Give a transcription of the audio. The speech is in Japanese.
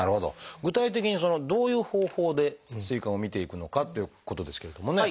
具体的にどういう方法で膵管をみていくのかということですけれどもね。